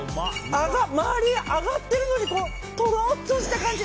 周り、上がってるのにとろっとした感じ！